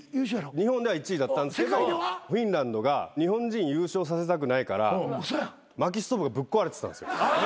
日本では１位だったんすけどフィンランドが日本人優勝させたくないからまきストーブがぶっ壊れてたんですよ。